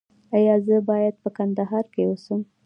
ایا زه باید په کندهار کې اوسم؟